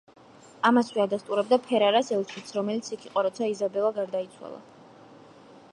ამასვე ადასტურებდა ფერარას ელჩიც, რომელიც იქ იყო, როცა იზაბელა გარდაიცვალა.